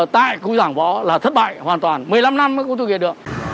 tại cũng giảng bỏ là thất bại hoàn toàn một mươi năm năm mới cũng thực hiện được